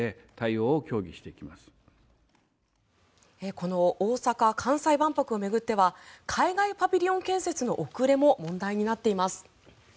この大阪・関西万博を巡っては海外パビリオン建設の遅れも問題になっています。